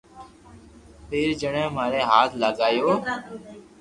ٻئير جڻي ماري ھاٿ لاگيو